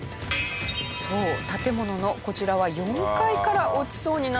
そう建物のこちらは４階から落ちそうになっている男の子。